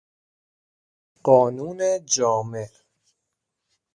قانون جامع